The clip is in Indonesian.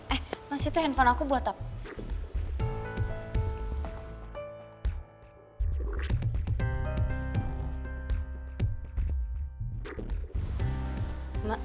eh mas itu handphone aku buat apa